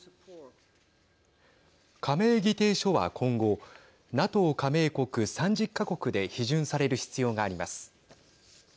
加盟議定書は今後ＮＡＴＯ加盟国３０か国で批准される必要があります。